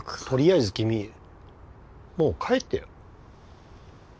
とりあえず君もう帰ってよ。